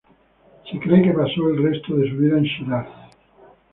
Se cree que pasó el resto de su vida en Shiraz.